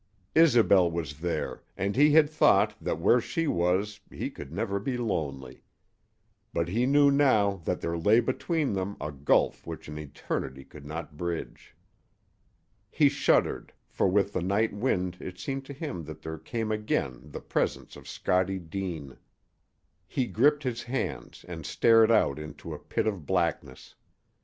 Isobel was there, and he had thought that where she was he could never be lonely. But he knew now that there lay between them a gulf which an eternity could not bridge. He shuddered, for with the night wind it seemed to him that there came again the presence of Scottie Deane. He gripped his hands and stared out into a pit of blackness.